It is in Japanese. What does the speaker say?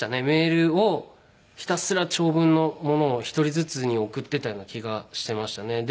メールをひたすら長文のものを１人ずつに送ってたような気がしてましたね。